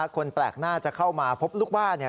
คนแปลกหน้าจะเข้ามาพบลูกบ้านเนี่ย